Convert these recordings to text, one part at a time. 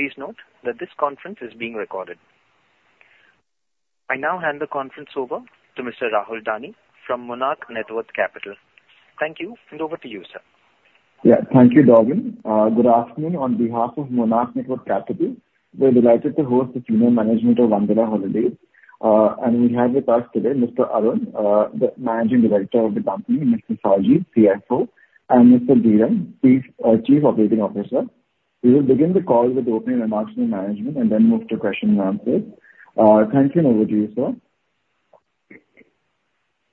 Please note that this conference is being recorded. I now hand the conference over to Mr. Rahul Dani from Monarch Networth Capital. Thank you, and over to you, sir. Yeah, thank you, Darwin. Good afternoon on behalf of Monarch Networth Capital. We're delighted to host the senior management of Wonderla Holidays. We have with us today Mr. Arun, the Managing Director of the company, Mr. Saji, CFO, and Mr. Dheeran, Chief Operating Officer. We will begin the call with opening remarks from management and then move to questions and answers. Thank you, and over to you, sir.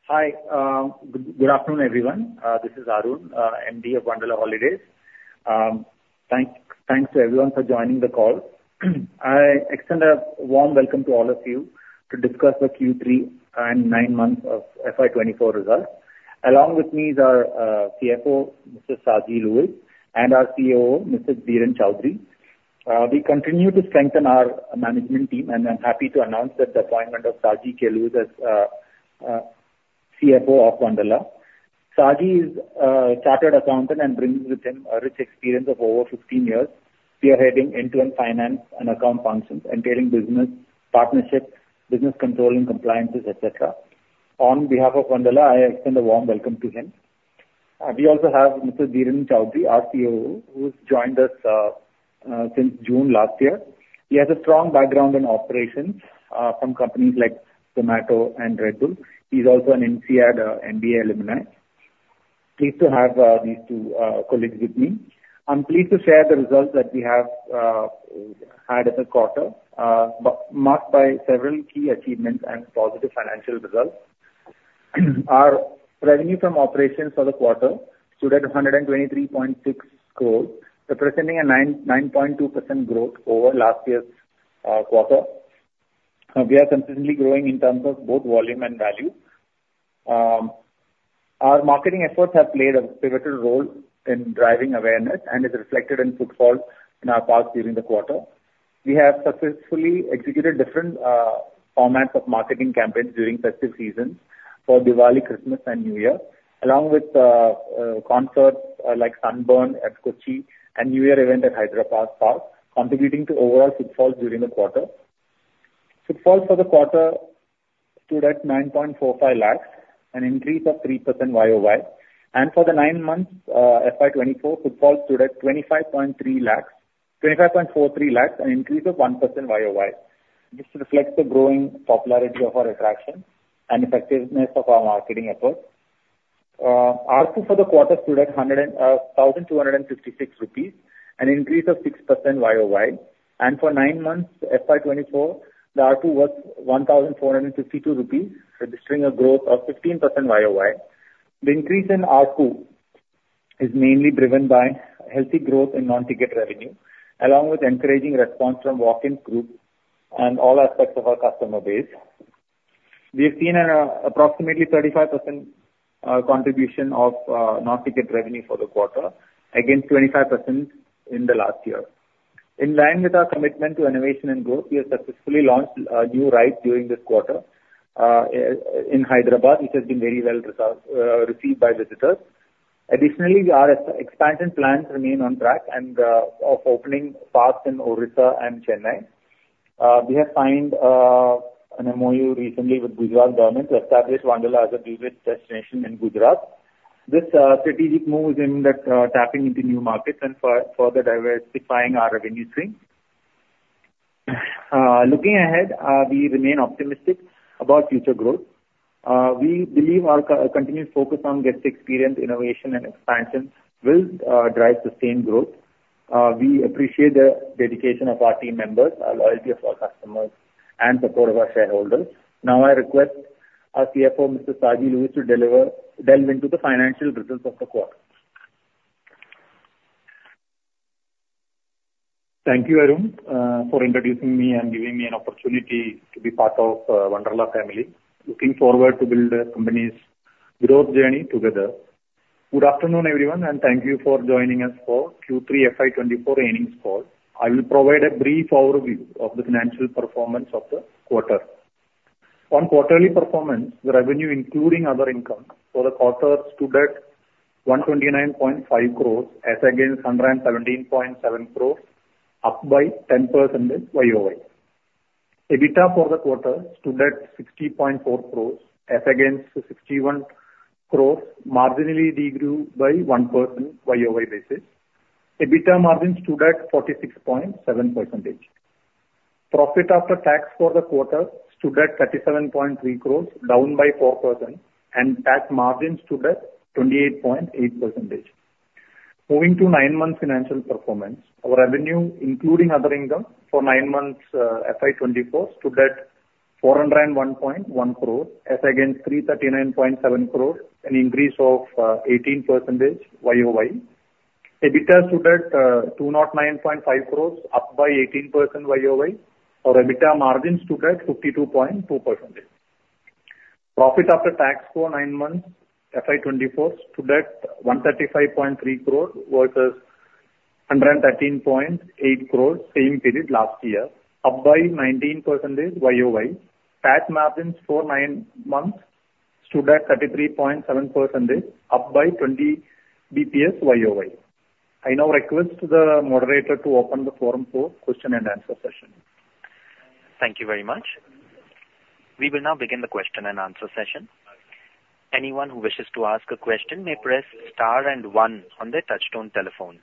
Hi. Good afternoon, everyone. This is Arun, MD of Wonderla Holidays. Thanks to everyone for joining the call. I extend a warm welcome to all of you to discuss the Q3 and nine months of FY 2024 results. Along with me is our CFO, Mr. Saji K. Louiz, and our COO, Mr. Dheeran Choudhary. We continue to strengthen our management team, and I'm happy to announce that the appointment of Saji K. Louiz as CFO of Wonderla. Saji is a chartered accountant and brings with him a rich experience of over 15 years spearheading internal finance and account functions, entailing business partnerships, business control, and compliances, etc. On behalf of Wonderla, I extend a warm welcome to him. We also have Mr. Dheeran Choudhary, our COO, who's joined us since June last year. He has a strong background in operations from companies like Zomato and Red Bull. He's also an INSEAD MBA alumni. Pleased to have these two colleagues with me. I'm pleased to share the results that we have had in the quarter, marked by several key achievements and positive financial results. Our revenue from operations for the quarter stood at 123.6 crore, representing a 9.2% growth over last year's quarter. We are consistently growing in terms of both volume and value. Our marketing efforts have played a pivotal role in driving awareness and is reflected in footfall in our parks during the quarter. We have successfully executed different formats of marketing campaigns during festive seasons for Diwali, Christmas, and New Year, along with concerts like Sunburn at Kochi and New Year event at Hyderabad Park, contributing to overall footfall during the quarter. Footfall for the quarter stood at 9.45 lakh, an increase of 3% YoY. For the nine months FY 2024, footfall stood at 25.43 lakhs, an increase of 1% YoY. This reflects the growing popularity of our attraction and effectiveness of our marketing efforts. ARPU for the quarter stood at 1,256 rupees, an increase of 6% YoY. For nine months FY 2024, the ARPU was 1,452 rupees, registering a growth of 15% YoY. The increase in ARPU is mainly driven by healthy growth in non-ticket revenue, along with encouraging response from walk-in groups and all aspects of our customer base. We have seen an approximately 35% contribution of non-ticket revenue for the quarter against 25% in the last year. In line with our commitment to innovation and growth, we have successfully launched a new ride during this quarter in Hyderabad, which has been very well received by visitors. Additionally, our expansion plans remain on track of opening parks in Odisha and Chennai. We have signed an MOU recently with the Gujarat Government to establish Wonderla as a visit destination in Gujarat. This strategic move is aimed at tapping into new markets and further diversifying our revenue stream. Looking ahead, we remain optimistic about future growth. We believe our continued focus on guest experience, innovation, and expansion will drive sustained growth. We appreciate the dedication of our team members, our loyalty of our customers, and support of our shareholders. Now, I request our CFO, Mr. Saji Louiz, to delve into the financial results of the quarter. Thank you, Arun, for introducing me and giving me an opportunity to be part of Wonderla family. Looking forward to build the company's growth journey together. Good afternoon, everyone, and thank you for joining us for Q3 FY 2024 earnings call. I will provide a brief overview of the financial performance of the quarter. On quarterly performance, the revenue, including other income, for the quarter stood at 129.5 crores against 117.7 crores, up by 10% YoY. EBITDA for the quarter stood at 60.4 crores against 61 crores, marginally degrew by 1% YoY basis. EBITDA margin stood at 46.7%. Profit after tax for the quarter stood at 37.3 crores, down by 4%, and tax margin stood at 28.8%. Moving to nine-month financial performance, our revenue, including other income, for nine-months FY 2024 stood at 401.1 crores against 339.7 crores, an increase of 18% YoY. EBITDA stood at 209.5 crores, up by 18% YoY. Our EBITDA margin stood at 52.2%. Profit after tax for nine-months FY 2024 stood at 135.3 crores versus 113.8 crores, same period last year, up by 19% YoY. Tax margins for nine months stood at 33.7%, up by 20 bps YoY. I now request the moderator to open the forum for question-and-answer session. Thank you very much. We will now begin the question-and-answer session. Anyone who wishes to ask a question may press star and one on their touch-tone telephone.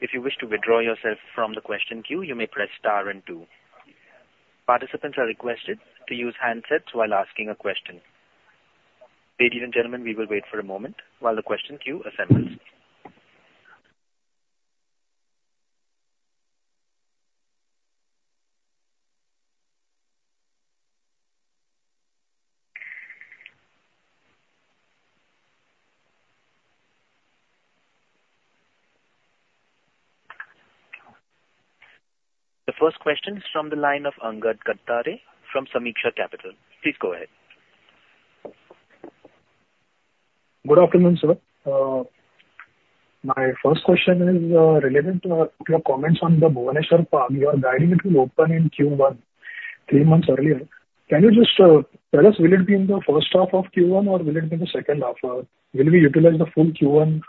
If you wish to withdraw yourself from the question queue, you may press star and two. Participants are requested to use handsets while asking a question. Ladies and gentlemen, we will wait for a moment while the question queue assembles. The first question is from the line of Angad Katdare from Sameeksha Capital. Please go ahead. Good afternoon, sir. My first question is related to your comments on the Bhubaneswar Park. You are guiding it to open in Q1 three months earlier. Can you just tell us, will it be in the first half of Q1, or will it be in the second half? Will we utilize the full Q1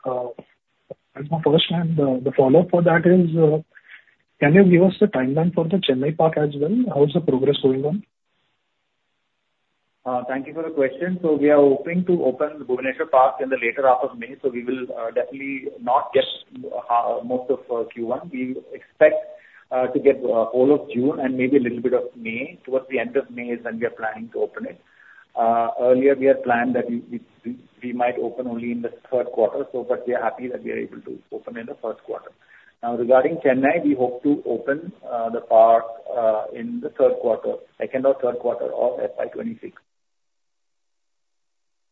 as the first? And the follow-up for that is, can you give us the timeline for the Chennai Park as well? How's the progress going on? Thank you for the question. We are hoping to open Bhubaneswar Park in the later half of May, so we will definitely not get most of Q1. We expect to get all of June and maybe a little bit of May. Towards the end of May is when we are planning to open it. Earlier, we had planned that we might open only in the third quarter, but we are happy that we are able to open in the first quarter. Now, regarding Chennai, we hope to open the park in the third quarter, second or third quarter of FY 2026.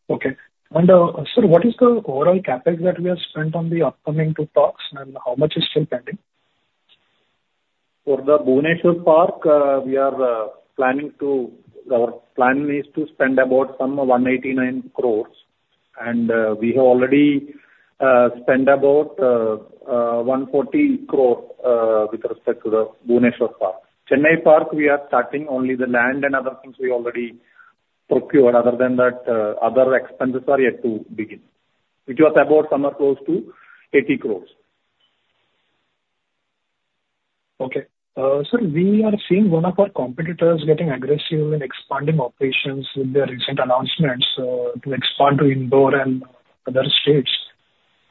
Okay. Sir, what is the overall CapEx that we have spent on the upcoming two parks, and how much is still pending? For the Bhubaneswar Park, our plan is to spend about some 189 crore, and we have already spent about 140 crore with respect to the Bhubaneswar Park. Chennai Park, we are starting only the land and other things we already procured. Other than that, other expenses are yet to begin, which was about somewhere close to 80 crore. Okay. Sir, we are seeing one of our competitors getting aggressive in expanding operations with their recent announcements to expand to Indore and other states,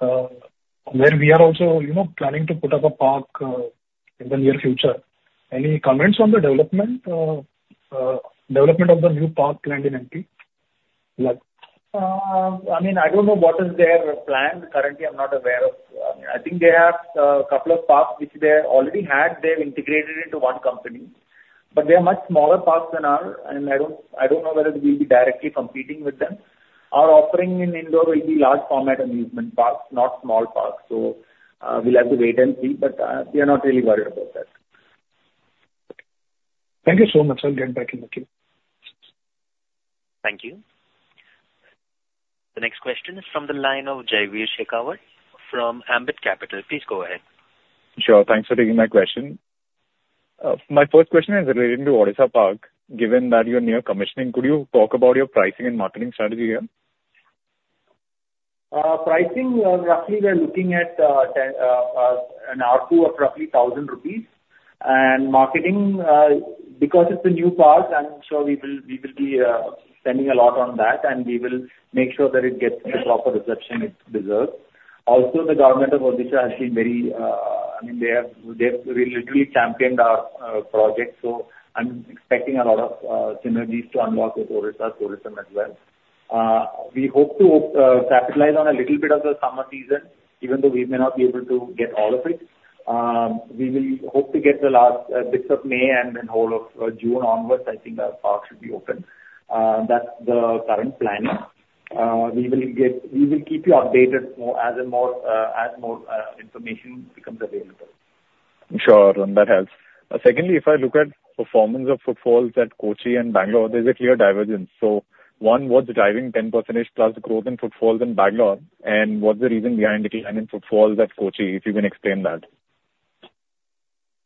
where we are also planning to put up a park in the near future. Any comments on the development of the new park planned in MP? I mean, I don't know what is their plan currently. I'm not aware of. I mean, I think they have a couple of parks, which they already had. They've integrated into one company. But they are much smaller parks than ours, and I don't know whether we'll be directly competing with them. Our offering in Indore will be large-format amusement parks, not small parks. So we'll have to wait and see, but we are not really worried about that. Thank you so much. I'll get back in the queue. Thank you. The next question is from the line of Jaiveer Shekhawat from Ambit Capital. Please go ahead. Sure. Thanks for taking my question. My first question is relating to Odisha Park. Given that you're near commissioning, could you talk about your pricing and marketing strategy here? Pricing, roughly, we are looking at an ARPU of roughly 1,000 rupees. And marketing, because it's a new park, I'm sure we will be spending a lot on that, and we will make sure that it gets the proper reception it deserves. Also, the government of Odisha has been very I mean, they have literally championed our project, so I'm expecting a lot of synergies to unlock with Odisha tourism as well. We hope to capitalize on a little bit of the summer season, even though we may not be able to get all of it. We will hope to get the last bits of May and then all of June onwards. I think our park should be open. That's the current planning. We will keep you updated as more information becomes available. Sure, Arun. That helps. Secondly, if I look at performance of footfalls at Kochi and Bangalore, there's a clear divergence. So one, what's driving 10%-ish+ growth in footfalls in Bangalore, and what's the reason behind the decline in footfalls at Kochi, if you can explain that?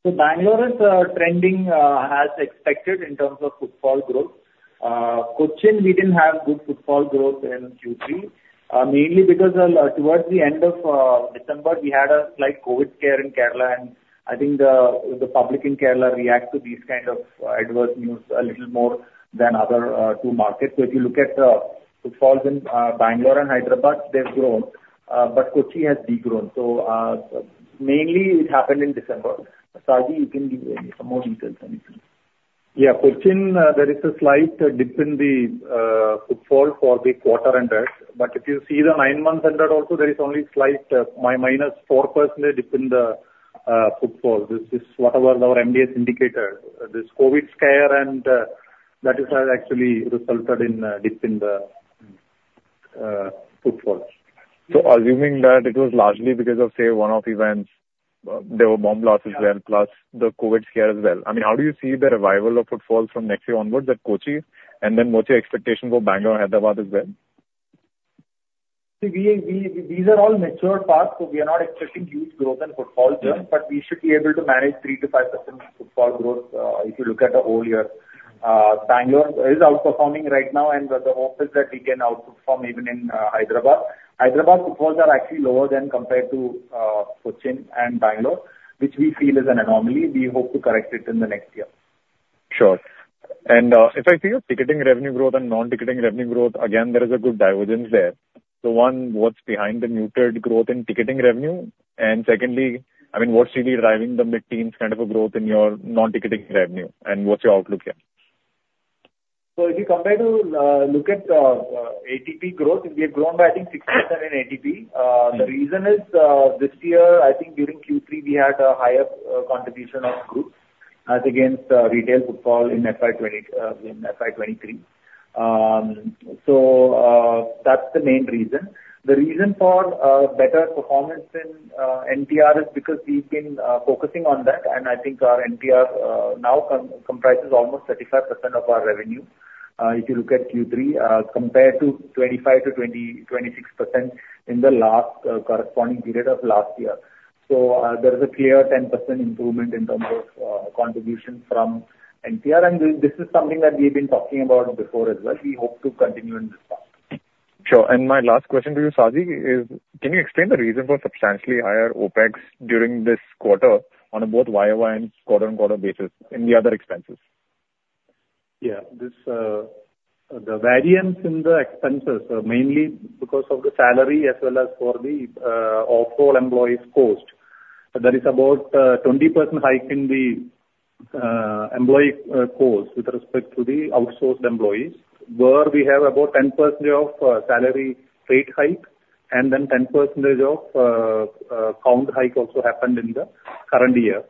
So Bangalore is trending as expected in terms of footfall growth. Kochi, we didn't have good footfall growth in Q3, mainly because towards the end of December, we had a slight COVID scare in Kerala, and I think the public in Kerala reacted to these kinds of adverse news a little more than other two markets. So if you look at the footfalls in Bangalore and Hyderabad, they've grown, but Kochi has degrown. So mainly, it happened in December. Saji, you can give some more details, anything? Yeah. Kochi, there is a slight dip in the footfall for the quarter ended. But if you see the nine-months ended also, there is only a slight -4% dip in the footfall. This is whatever our MD has indicated. This COVID scare that has actually resulted in a dip in the footfall. So assuming that it was largely because of, say, one-off events, there were bomb blasts as well, plus the COVID scare as well. I mean, how do you see the revival of footfalls from next year onwards at Kochi and then what's your expectation for Bangalore and Hyderabad as well? See, these are all mature parks, so we are not expecting huge growth in footfall term, but we should be able to manage 3%-5% footfall growth if you look at the whole year. Bangalore is outperforming right now, and the hope is that we can outperform even in Hyderabad. Hyderabad footfalls are actually lower than compared to Kochi and Bangalore, which we feel is an anomaly. We hope to correct it in the next year. Sure. And if I see your ticketing revenue growth and non-ticketing revenue growth, again, there is a good divergence there. So one, what's behind the muted growth in ticketing revenue? And secondly, I mean, what's really driving the mid-teens kind of a growth in your non-ticketing revenue, and what's your outlook here? So if you compare to look at ATP growth, we have grown by, I think, 6% in ATP. The reason is this year, I think during Q3, we had a higher contribution of groups as against retail footfall in FY 2023. So that's the main reason. The reason for better performance in NTR is because we've been focusing on that, and I think our NTR now comprises almost 35% of our revenue if you look at Q3 compared to 25%-26% in the corresponding period of last year. So there is a clear 10% improvement in terms of contribution from NTR, and this is something that we've been talking about before as well. We hope to continue in this part. Sure. My last question to you, Saji, is can you explain the reason for substantially higher OpEx during this quarter on both YoY and quarter-on-quarter basis in the other expenses? Yeah. The variance in the expenses, mainly because of the salary as well as for the overall employees' cost, there is about a 20% hike in the employee costs with respect to the outsourced employees, where we have about 10% of salary rate hike, and then 10% of count hike also happened in the current year.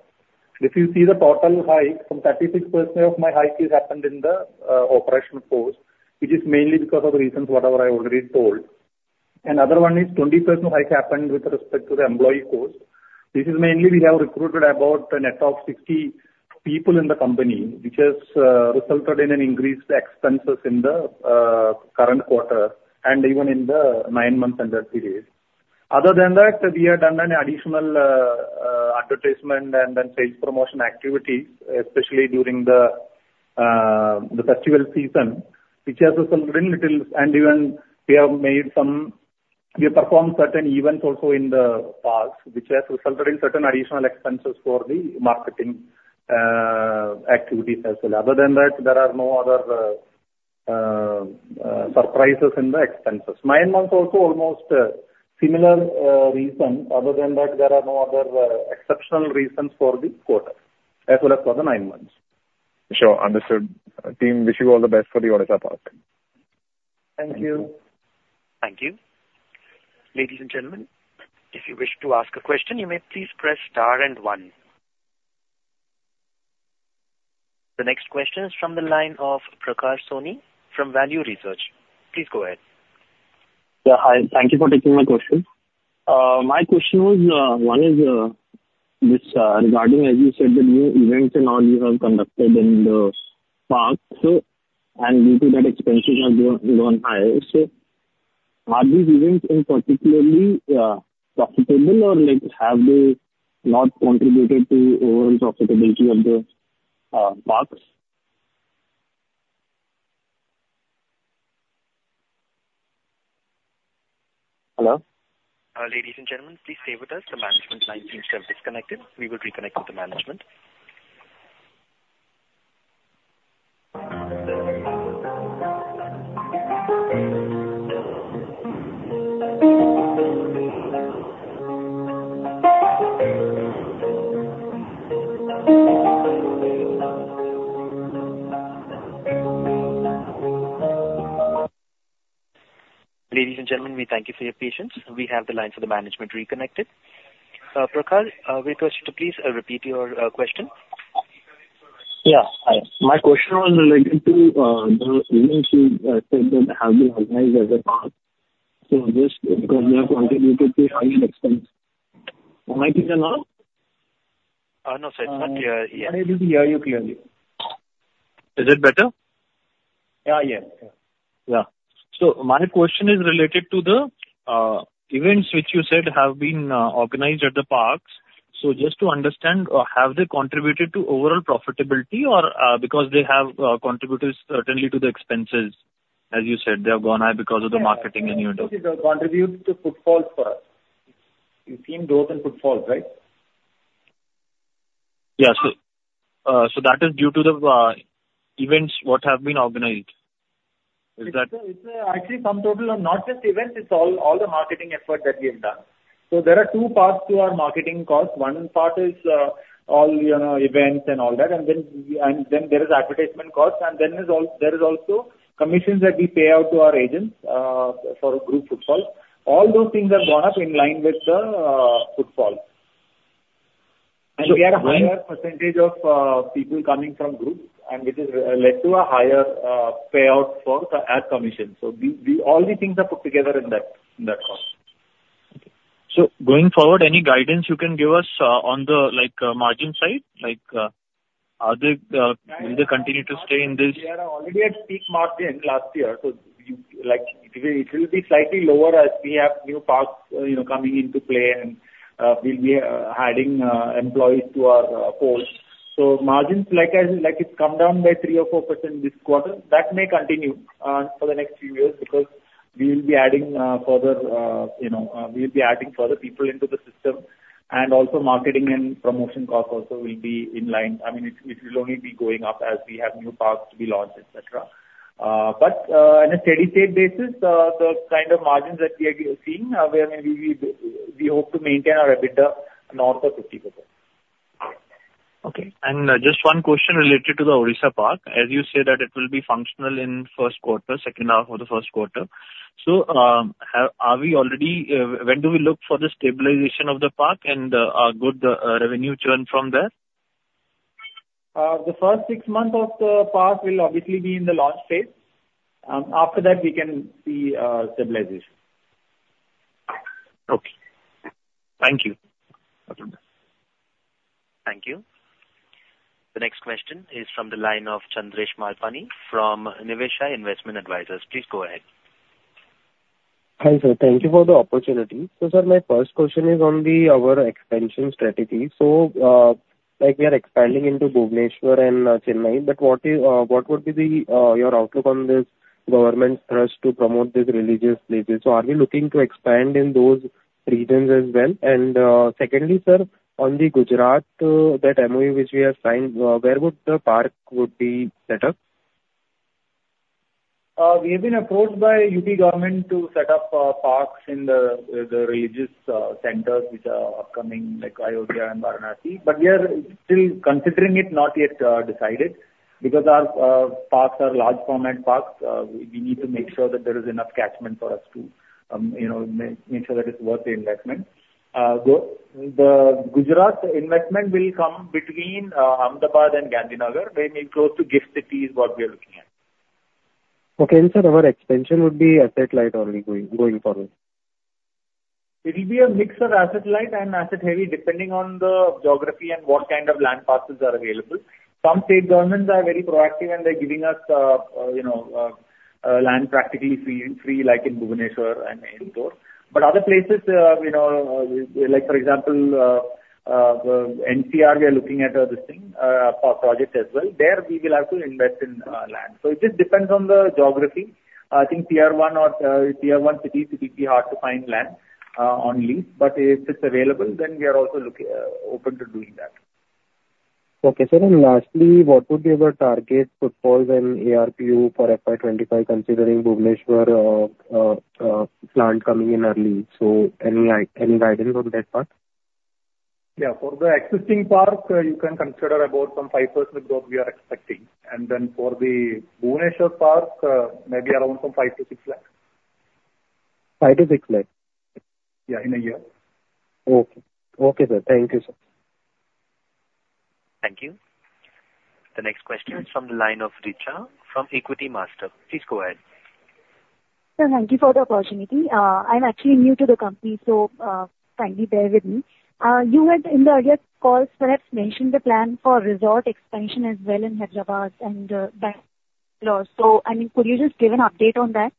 If you see the total hike, some 36% of my hike has happened in the operational cost, which is mainly because of reasons, whatever I already told. And the other one is 20% hike happened with respect to the employee cost. This is mainly we have recruited about a net of 60 people in the company, which has resulted in an increased expenses in the current quarter and even in the nine-month ended period. Other than that, we have done an additional advertisement and then sales promotion activities, especially during the festival season, which has resulted in little and even we have made some; we have performed certain events also in the parks, which has resulted in certain additional expenses for the marketing activities as well. Other than that, there are no other surprises in the expenses. Nine months also almost similar reasons. Other than that, there are no other exceptional reasons for the quarter as well as for the nine months. Sure. Understood. Team, wish you all the best for the Odisha Park. Thank you. Thank you. Ladies and gentlemen, if you wish to ask a question, you may please press star and one. The next question is from the line of Prakash Soni from Value Research. Please go ahead. Yeah. Hi. Thank you for taking my question. One is regarding, as you said, the new events and all you have conducted in the park, and due to that, expenses have gone higher. So are these events particularly profitable, or have they not contributed to overall profitability of the parks? Hello? Ladies and gentlemen, please stay with us. The management line seems to have disconnected. We will reconnect with the management. Ladies and gentlemen, we thank you for your patience. We have the line for the management reconnected. Prakash, we request you to please repeat your question. Yeah. Hi. My question was related to the events you said that have been organized as a park. So just because they have contributed to higher expenses. Am I clear now? No, sir. It's not clear. Yeah. I'm not able to hear you clearly. Is it better? Yeah. Yes. Yeah. Yeah. So my question is related to the events which you said have been organized at the parks. So just to understand, have they contributed to overall profitability, or because they have contributed certainly to the expenses, as you said, they have gone high because of the marketing and you know? They contribute to footfalls for us. You've seen growth in footfalls, right? Yeah. So that is due to the events what have been organized. Is that? It's actually the sum total not just events. It's all the marketing effort that we have done. So there are two parts to our marketing costs. One part is all events and all that, and then there is advertisement costs, and then there is also commissions that we pay out to our agents for group footfalls. All those things have gone up in line with the footfalls. And we had a higher percentage of people coming from groups, which has led to a higher payout for ad commissions. So all these things are put together in that cost. Okay. Going forward, any guidance you can give us on the margin side? Will they continue to stay in this? We are already at peak margin last year, so it will be slightly lower as we have new parks coming into play and we'll be adding employees to our posts. So margins, like I said, it's come down by 3%-4% this quarter. That may continue for the next few years because we will be adding further people into the system, and also marketing and promotion costs also will be in line. I mean, it will only be going up as we have new parks to be launched, etc. But on a steady-state basis, the kind of margins that we are seeing, I mean, we hope to maintain are a bit north of 50%. Okay. And just one question related to the Odisha Park. As you said that it will be functional in first quarter, second half of the first quarter. So are we already when do we look for the stabilization of the park and good revenue churn from there? The first six months of the park will obviously be in the launch phase. After that, we can see stabilization. Okay. Thank you. Thank you. The next question is from the line of Chandresh Malpani from Niveshaay Investment Advisors. Please go ahead. Hi, sir. Thank you for the opportunity. So, sir, my first question is on our expansion strategy. So we are expanding into Bhubaneswar and Chennai, but what would be your outlook on this government's thrust to promote these religious places? So are we looking to expand in those regions as well? And secondly, sir, on the Gujarat MOU which we have signed, where would the park be set up? We have been approached by UP Government to set up parks in the religious centers which are upcoming, like Ayodhya and Varanasi. But we are still considering it, not yet decided, because our parks are large-format parks. We need to make sure that there is enough catchment for us to make sure that it's worth the investment. The Gujarat investment will come between Ahmedabad and Gandhinagar. They may be close to GIFT City, what we are looking at. Okay. And, sir, our expansion would be asset-light only going forward? It will be a mix of asset-light and asset-heavy, depending on the geography and what kind of land parcels are available. Some state governments are very proactive, and they're giving us land practically free like in Bhubaneswar and Indore. But other places, for example, NCR, we are looking at this project as well. There, we will have to invest in land. So it just depends on the geography. I think Tier 1 cities will be hard to find land on lease, but if it's available, then we are also open to doing that. Okay. Sir, and lastly, what would be your target footfalls in ARPU for FY 2025 considering Bhubaneswar plant coming in early? So any guidance on that part? Yeah. For the existing park, you can consider about some 5% of growth we are expecting. And then for the Bhubaneswar park, maybe around some 5 lakhs-6 lakhs. 5 lakhs-6 lakhs? Yeah, in a year. Okay. Okay, sir. Thank you, sir. Thank you. The next question is from the line of Richa from Equitymaster. Please go ahead. Sir, thank you for the opportunity. I'm actually new to the company, so kindly bear with me. You had in the earlier calls perhaps mentioned the plan for resort expansion as well in Hyderabad and Bangalore. So, I mean, could you just give an update on that?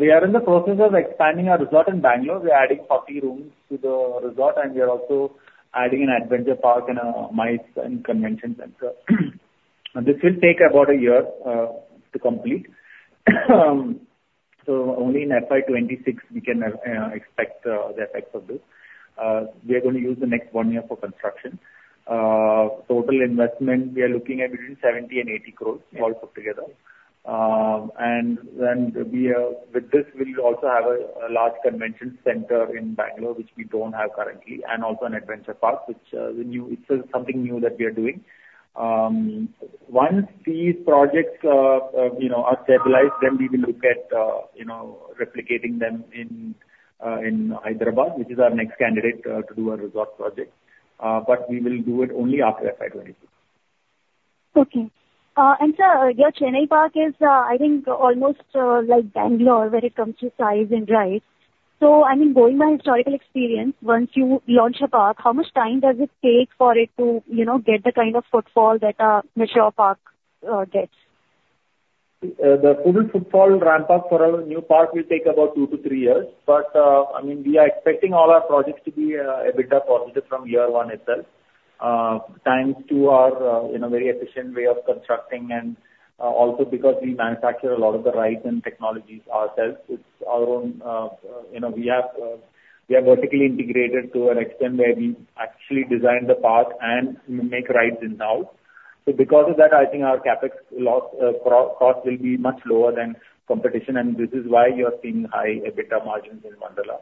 We are in the process of expanding our resort in Bangalore. We are adding 40 rooms to the resort, and we are also adding an adventure park and a MICE and convention center. This will take about a year to complete. So only in FY 2026 we can expect the effects of this. We are going to use the next one year for construction. Total investment we are looking at between 70 crore and 80 crore all put together. And then with this, we will also have a large convention center in Bangalore, which we don't have currently, and also an adventure park, which is something new that we are doing. Once these projects are stabilized, then we will look at replicating them in Hyderabad, which is our next candidate to do a resort project. But we will do it only after FY 2026. Okay. And, sir, your Chennai park is, I think, almost like Bangalore when it comes to size and rides. So, I mean, going by historical experience, once you launch a park, how much time does it take for it to get the kind of footfall that a mature park gets? The full footfall ramp-up for a new park will take about two to three years. But, I mean, we are expecting all our projects to be a bit positive from year one itself thanks to our very efficient way of constructing and also because we manufacture a lot of the rides and technologies ourselves. It's our own we are vertically integrated to an extent where we actually design the park and make rides in-house. So because of that, I think our CapEx cost will be much lower than competition, and this is why you are seeing high EBITDA margins in Wonderla.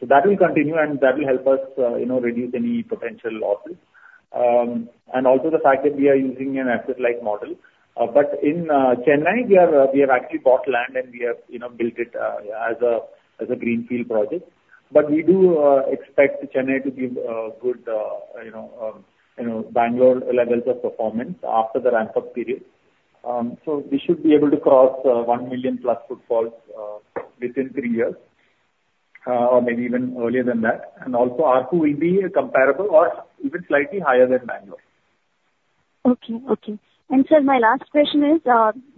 So that will continue, and that will help us reduce any potential losses. And also the fact that we are using an asset-like model. But in Chennai, we have actually bought land, and we have built it as a greenfield project. But we do expect Chennai to give good Bangalore levels of performance after the ramp-up period. So we should be able to cross 1 million-plus footfalls within three years or maybe even earlier than that. And also, ARPU will be comparable or even slightly higher than Bangalore. Okay. Okay. And, sir, my last question is,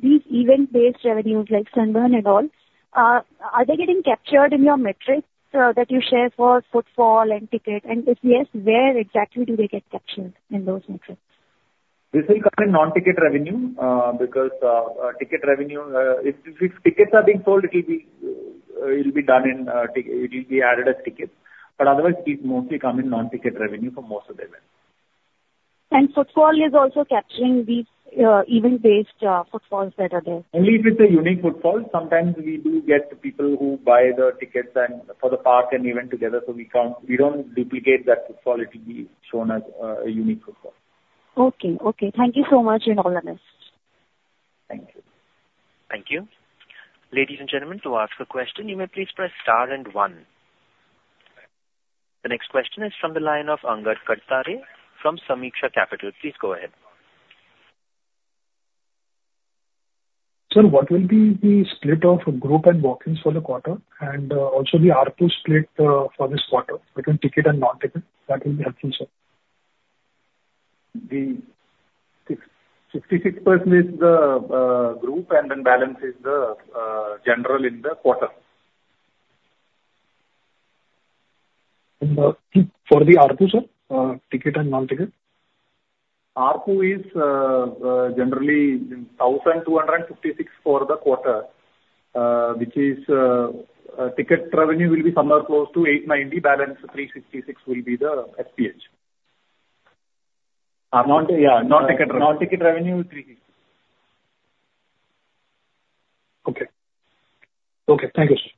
these event-based revenues like Sunburn and all, are they getting captured in your metrics that you share for footfall and ticket? And if yes, where exactly do they get captured in those metrics? This will come in non-ticket revenue because ticket revenue, if tickets are being sold, it will be done in it will be added as tickets. But otherwise, it's mostly come in non-ticket revenue for most of the events. Footfall is also capturing these event-based footfalls that are there? Only if it's a unique footfall. Sometimes we do get people who buy the tickets for the park and event together, so we don't duplicate that footfall. It will be shown as a unique footfall. Okay. Okay. Thank you so much in all honesty. Thank you. Thank you. Ladies and gentlemen, to ask a question, you may please press star and one. The next question is from the line of Angad Katdare from Sameeksha Capital. Please go ahead. Sir, what will be the split of group and walk-ins for the quarter and also the ARPU split for this quarter between ticket and non-ticket? That will be helpful, sir. The 66% is the group, and then balance is the general in the quarter. For the ARPU, sir, ticket and non-ticket? ARPU is generally 1,256 for the quarter, which is ticket revenue will be somewhere close to 890. Balance 366 will be the SPH. Yeah. Non-ticket revenue 360. Okay. Okay. Thank you, sir.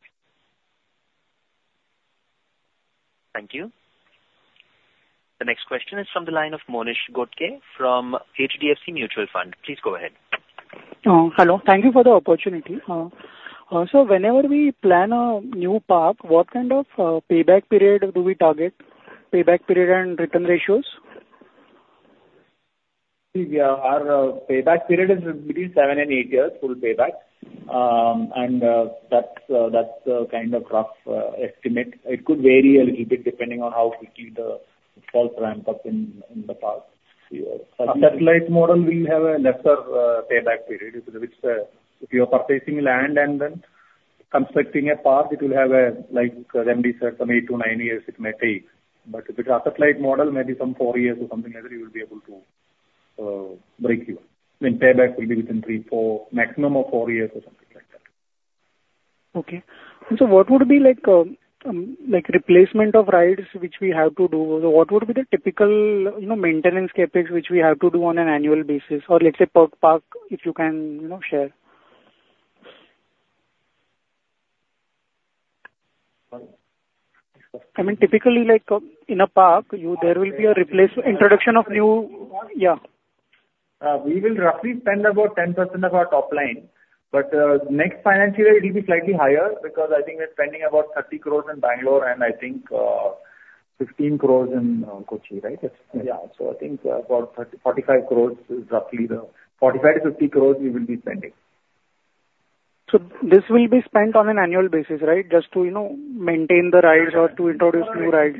Thank you. The next question is from the line of Monish Ghodke from HDFC Mutual Fund. Please go ahead. Hello. Thank you for the opportunity. Sir, whenever we plan a new park, what kind of payback period do we target, payback period and return ratios? Yeah. Our payback period is between seven to eight years, full payback. That's the kind of rough estimate. It could vary a little bit depending on how quickly the footfalls ramp up in the park. A asset-light model, we will have a lesser payback period. If you are purchasing land and then constructing a park, it will have, like our MD said, some eight to nine years it may take. But if it's a asset-light, maybe some four years or something like that, you will be able to break even. I mean, payback will be within three, four maximum of four years or something like that. Okay. Sir, what would be the replacement of rides which we have to do? What would be the typical maintenance CapEx which we have to do on an annual basis? Or let's say per park, if you can share. I mean, typically, in a park, there will be a replacement introduction of new yeah. We will roughly spend about 10% of our top line. But next financial year, it will be slightly higher because I think we're spending about 30 crore in Bangalore and I think 15 crore in Kochi, right? Yeah. So I think about 45 crore is roughly the 45 crore-50 crore we will be spending. So this will be spent on an annual basis, right, just to maintain the rides or to introduce new rides?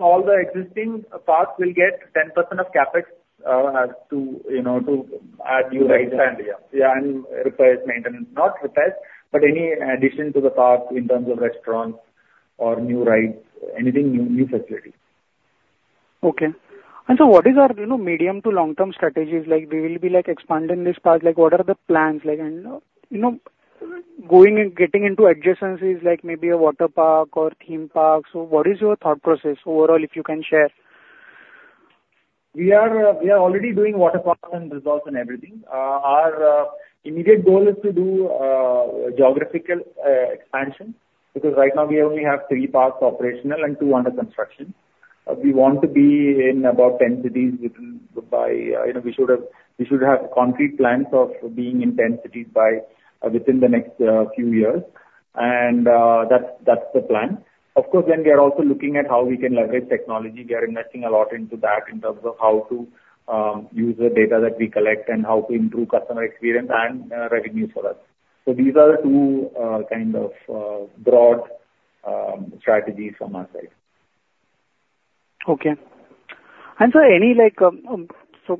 All the existing parks will get 10% of CapEx to add new rides. Yeah. Yeah. And replace maintenance. Not replace, but any addition to the park in terms of restaurants or new rides, anything new, new facilities. Okay. Sir, what is our medium- to long-term strategies? We will be expanding this park. What are the plans? And getting into adjacencies like maybe a water park or theme park. What is your thought process overall, if you can share? We are already doing water parks and resorts and everything. Our immediate goal is to do geographical expansion because right now, we only have three parks operational and two under construction. We want to be in about 10 cities by we should have concrete plans of being in 10 cities within the next few years. That's the plan. Of course, then we are also looking at how we can leverage technology. We are investing a lot into that in terms of how to use the data that we collect and how to improve customer experience and revenues for us. These are the two kind of broad strategies from our side. Okay. Sir,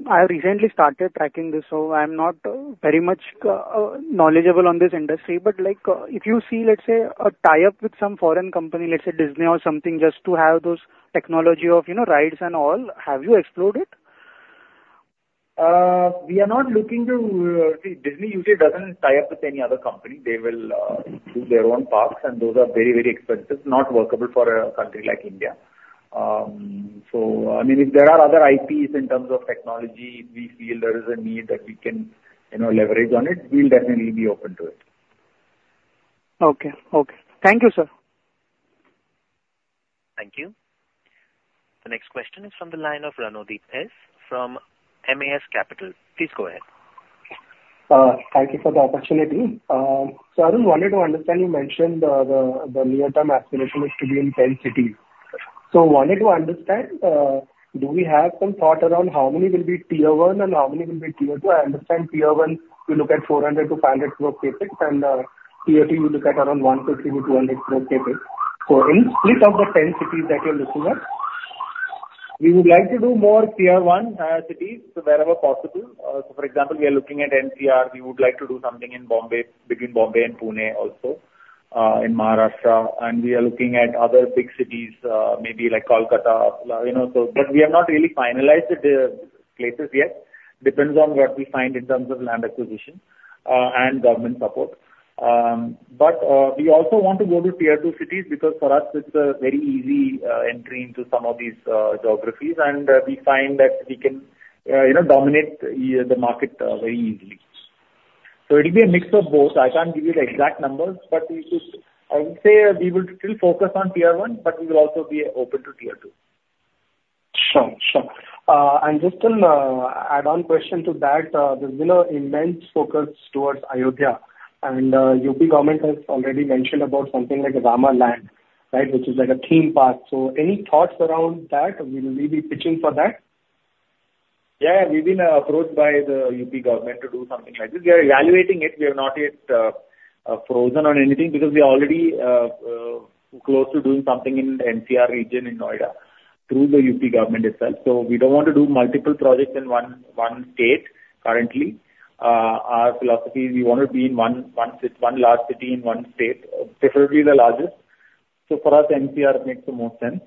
I recently started tracking this, so I'm not very much knowledgeable on this industry. But if you see, let's say, a tie-up with some foreign company, let's say Disney or something, just to have those technology of rides and all, have you explored it? We are not looking to see. Disney usually doesn't tie up with any other company. They will do their own parks, and those are very, very expensive, not workable for a country like India. So, I mean, if there are other IPs in terms of technology, if we feel there is a need that we can leverage on it, we'll definitely be open to it. Okay. Okay. Thank you, sir. Thank you. The next question is from the line of Ranodip S from MAS Capital. Please go ahead. Thank you for the opportunity. So, Arun, wanted to understand. You mentioned the near-term aspiration is to be in 10 cities. So wanted to understand, do we have some thought around how many will be Tier 1 and how many will be Tier 2? I understand Tier 1, you look at 400 crore-500 crore CapEx, and Tier 2, you look at around 150-200 crore CapEx. So in split of the 10 cities that you're looking at, we would like to do more Tier 1 cities wherever possible. So, for example, we are looking at NCR. We would like to do something between Bombay and Pune also, in Maharashtra. And we are looking at other big cities, maybe like Kolkata. But we have not really finalized the places yet. Depends on what we find in terms of land acquisition and government support. But we also want to go to Tier 2 cities because for us, it's a very easy entry into some of these geographies, and we find that we can dominate the market very easily. So it will be a mix of both. I can't give you the exact numbers, but I would say we will still focus on Tier 1, but we will also be open to Tier 2. Sure. Sure. And just an add-on question to that, there's been an immense focus towards Ayodhya. And UP Government has already mentioned about something like Rama Land, right, which is like a theme park. So any thoughts around that? Will we be pitching for that? Yeah. Yeah. We've been approached by the UP Government to do something like this. We are evaluating it. We have not yet frozen on anything because we are already close to doing something in the NCR region in Noida through the UP Government itself. So we don't want to do multiple projects in one state currently. Our philosophy is we want to be in one large city in one state, preferably the largest. So for us, NCR makes the most sense.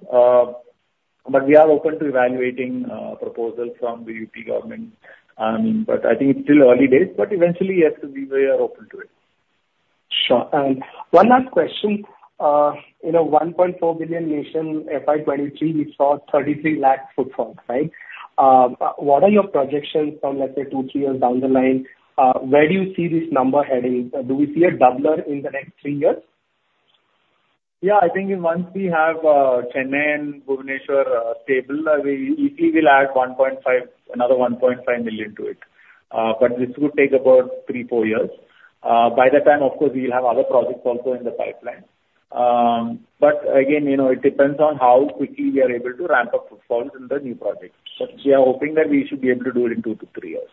But we are open to evaluating proposals from the UP Government. I mean, but I think it's still early days. But eventually, yes, we are open to it. Sure. One last question. In a 1.4 billion nation FY 2023, we saw 33 lakhs footfalls, right? What are your projections from, let's say, two, three years down the line? Where do you see this number heading? Do we see a doubler in the next three years? Yeah. I think once we have Chennai and Bhubaneswar stable, we easily will add another 1.5 million to it. But this would take about three to four years. By that time, of course, we will have other projects also in the pipeline. But again, it depends on how quickly we are able to ramp up footfalls in the new projects. But we are hoping that we should be able to do it in two to three years.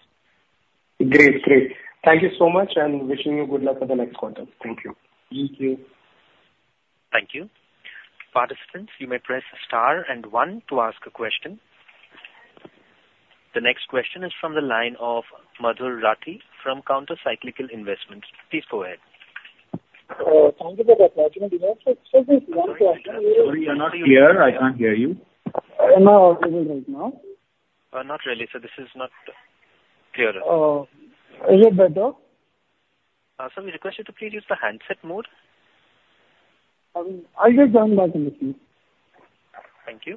Great. Great. Thank you so much, and wishing you good luck for the next quarter. Thank you. Thank you. Thank you. Participants, you may press star and one to ask a question. The next question is from the line of Madhur Rathi from Counter Cyclical Investments. Please go ahead. Thank you for the pleasure. Sir, please, one question. Sorry, you're not here. I can't hear you. Am I audible right now? Not really. Sir, this is not clear enough. Is it better? Sir, we request you to please use the handset mode. I will join back in a queue. Thank you.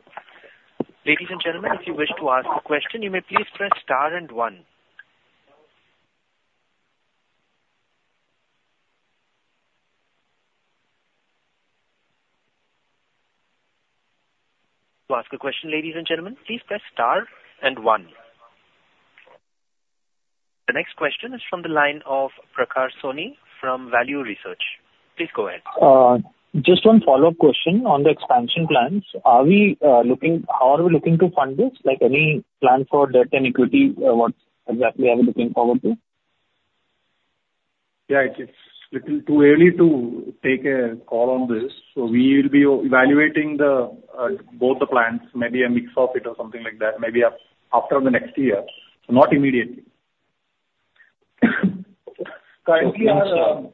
Ladies and gentlemen, if you wish to ask a question, you may please press star and one. To ask a question, ladies and gentlemen, please press star and one. The next question is from the line of Prakash Soni from Value Research. Please go ahead. Just one follow-up question on the expansion plans. How are we looking to fund this? Any plan for debt and equity? What exactly are we looking forward to? Yeah. It's a little too early to take a call on this. So we will be evaluating both the plans, maybe a mix of it or something like that, maybe after the next year, not immediately. Currently, our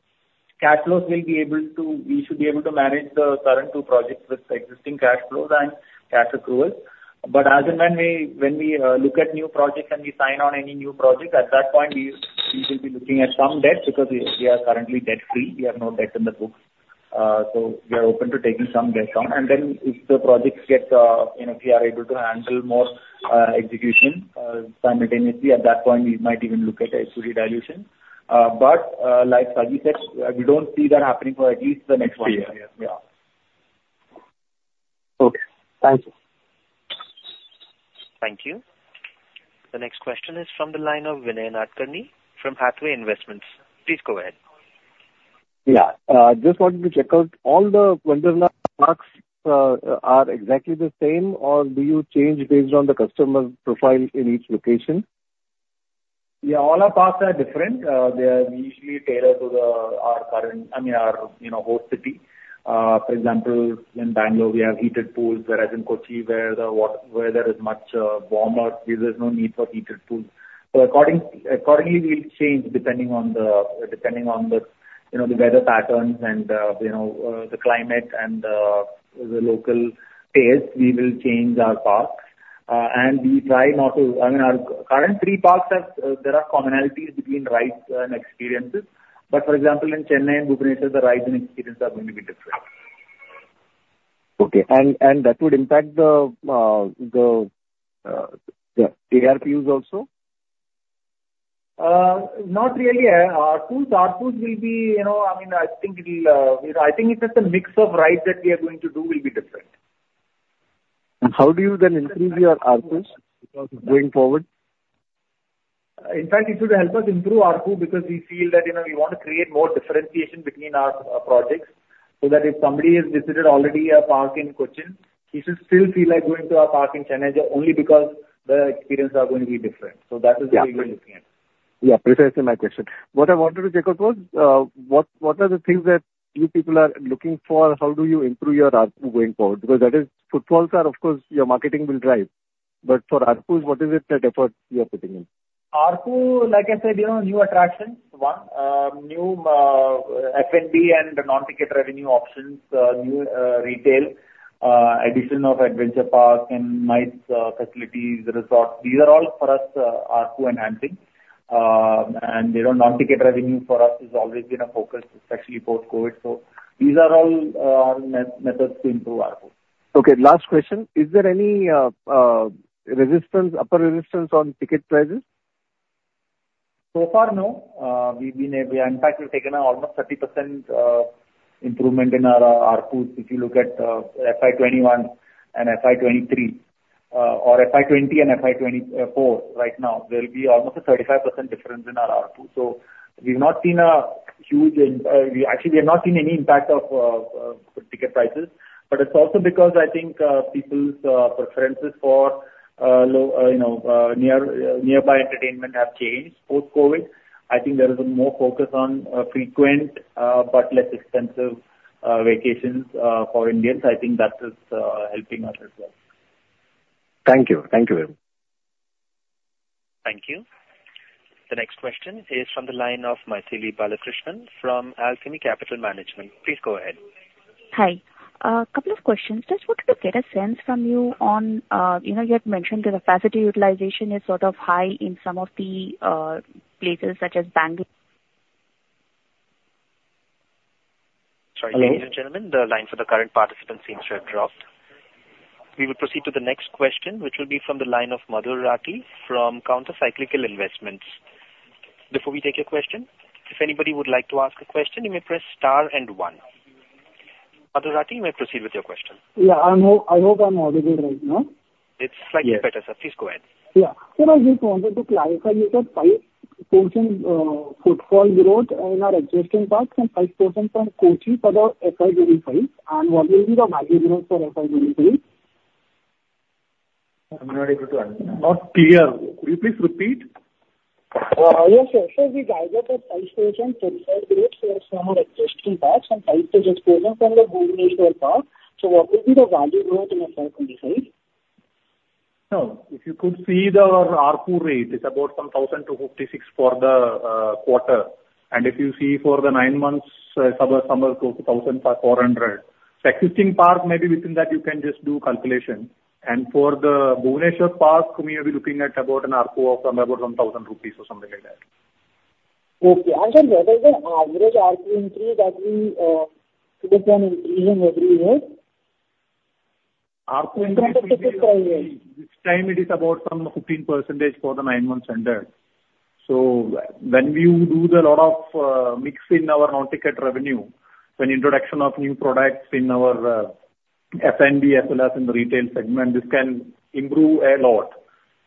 cash flows will be able to manage the current two projects with existing cash flows and cash accruals. But as and when we look at new projects and we sign on any new project, at that point, we will be looking at some debt because we are currently debt-free. We have no debt in the books. So we are open to taking some debt on. And then if we are able to handle more execution simultaneously, at that point, we might even look at equity dilution. But like Saji said, we don't see that happening for at least the next one year. Yeah. Okay. Thank you. Thank you. The next question is from the line of Vinay Nadkarni from Hathway Investments. Please go ahead. Yeah. Just wanted to check out, all the Wonderla parks are exactly the same, or do you change based on the customer profile in each location? Yeah. All our parks are different. We usually tailor to our current I mean, our host city. For example, in Bangalore, we have heated pools. Whereas in Kochi, where the weather is much warmer, there is no need for heated pools. So accordingly, we'll change depending on the weather patterns and the climate and the local pace. We will change our parks. And we try not to I mean, our current three parks, there are commonalities between rides and experiences. But for example, in Chennai and Bhubaneswar, the rides and experiences are going to be different. Okay. And that would impact the ARPUs also? Not really. Our pools will be, I mean. I think it's just a mix of rides that we are going to do will be different. How do you then increase your ARPUs going forward? In fact, it should help us improve ARPU because we feel that we want to create more differentiation between our projects. So that if somebody has visited already a park in Kochi, he should still feel like going to a park in Chennai only because the experiences are going to be different. So that is what we will be looking at. Yeah. Precisely my question. What I wanted to check out was, what are the things that you people are looking for? How do you improve your ARPU going forward? Because footfalls are, of course, your marketing will drive. But for ARPUs, what is it that effort you are putting in? ARPU, like I said, new attractions, one, new F&B and non-ticket revenue options, new retail, addition of adventure parks and nice facilities, resorts. These are all, for us, ARPU-enhancing. Non-ticket revenue for us has always been a focus, especially post-COVID. These are all methods to improve ARPU. Okay. Last question. Is there any upper resistance on ticket prices? So far, no. In fact, we've taken almost 30% improvement in our ARPUs if you look at FY 2021 and FY 2023 or FY 2020 and FY 2024 right now. There will be almost a 35% difference in our ARPU. So we've not seen a huge actually, we have not seen any impact of ticket prices. But it's also because I think people's preferences for nearby entertainment have changed post-COVID. I think there is more focus on frequent but less expensive vacations for Indians. I think that is helping us as well. Thank you. Thank you, Arun. Thank you. The next question is from the line of Mrigank Balakrishnan from Alchemy Capital Management. Please go ahead. Hi. A couple of questions. Just wanted to get a sense from you on you had mentioned that the capacity utilization is sort of high in some of the places such as Bangalore. Sorry. Ladies and gentlemen, the line for the current participants seems to have dropped. We will proceed to the next question, which will be from the line of Madhur Rathi from Counter Cyclical Investments. Before we take your question, if anybody would like to ask a question, you may press star and one. Madhur Rathi, you may proceed with your question. Yeah. I hope I'm audible right now. It's slightly better, sir. Please go ahead. Yeah. Sir, I just wanted to clarify. You said 5% footfall growth in our existing parks and 5% from Kochi for the FY 2025. What will be the value growth for FY 2025? I'm not able to answer. Not clear. Could you please repeat? Yes, sure. Sir, we divided 5% footfall growth from our existing parks and 5% from the Bhubaneswar park. So what will be the value growth in FY 2025? No. If you could see our ARPU rate, it's about some 1,000-1,056 for the quarter. And if you see for the nine months, summer to summer, it's about 1,400. So existing park, maybe within that, you can just do calculation. And for the Bhubaneswar park, we may be looking at about an ARPU of about some 1,000 rupees or something like that. Okay. And sir, what is the average ARPU increase that we see increasing every year? ARPU increase is this time, it is about some 15% for the nine months and third. So when we do a lot of mix in our non-ticket revenue, when introduction of new products in our F&B as well as in the retail segment, this can improve a lot.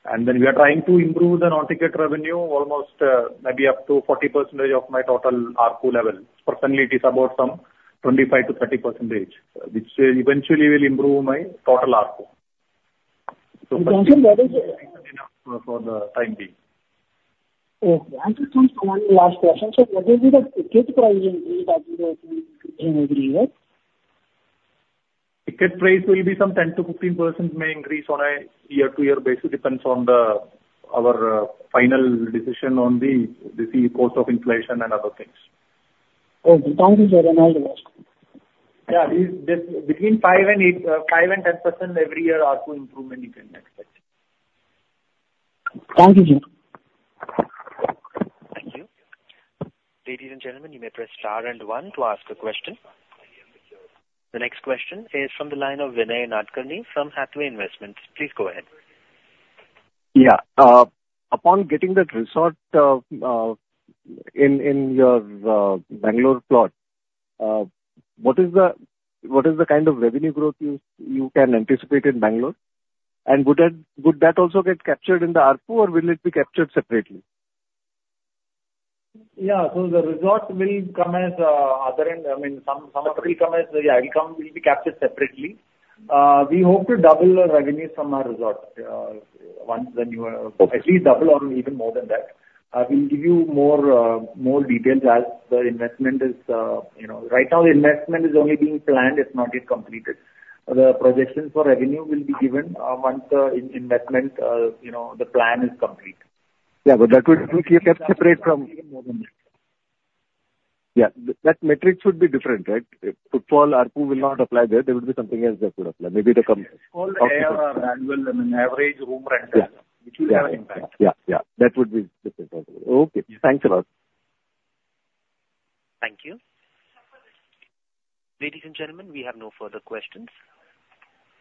And then we are trying to improve the non-ticket revenue almost maybe up to 40% of my total ARPU level. Personally, it is about some 25%-30%, which eventually will improve my total ARPU. And sir- That is enough for the time being. Okay. And sir, one last question. Sir, what will be the ticket price increase that you will see increasing every year? Ticket price will be some 10%-15% may increase on a year-to-year basis. Depends on our final decision on the cost of inflation and other things. Okay. Thank you, sir. And I'll do that. Yeah. Between 5% and 10% every year ARPU improvement you can expect. Thank you, sir. Thank you. Ladies and gentlemen, you may press star and one to ask a question. The next question is from the line of Vinay Nadkarni from Hathway Investments. Please go ahead. Yeah. Upon getting that resort in your Bangalore plot, what is the kind of revenue growth you can anticipate in Bangalore? And would that also get captured in the ARPU, or will it be captured separately? Yeah. So the resort will come as other end, I mean. Some of it will come as yeah, it will be captured separately. We hope to double revenue from our resort once the new, at least double or even more than that. We'll give you more details as the investment is right now. The investment is only being planned. It's not yet completed. The projections for revenue will be given once the investment, the plan is complete. Yeah. But that would be kept separate from. Even more than that. Yeah. That metric should be different, right? Footfall ARPU will not apply there. There will be something else that could apply. Maybe the. It's called ARR, Annual. I mean, Average Room Rental, which will have an impact. Yeah. Yeah. That would be different also. Okay. Thanks a lot. Thank you. Ladies and gentlemen, we have no further questions.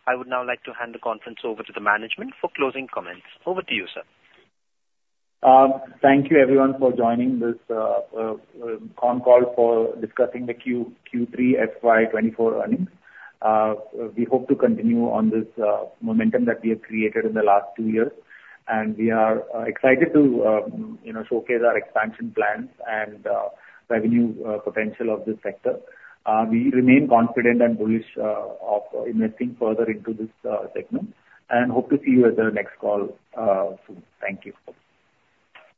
I would now like to hand the conference over to the management for closing comments. Over to you, sir. Thank you, everyone, for joining this con call for discussing the Q3 FY 2024 earnings. We hope to continue on this momentum that we have created in the last two years. We are excited to showcase our expansion plans and revenue potential of this sector. We remain confident and bullish of investing further into this segment and hope to see you at the next call soon. Thank you.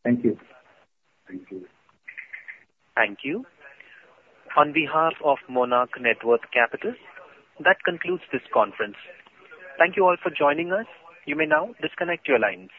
Thank you. Thank you. Thank you. On behalf of Monarch Networth Capital, that concludes this conference. Thank you all for joining us. You may now disconnect your lines.